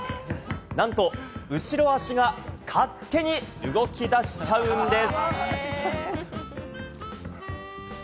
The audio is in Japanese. なんと後ろ足が勝手に動き出しちゃうんです。